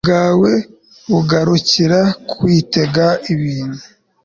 bwawe bugarukira kwitega ibintu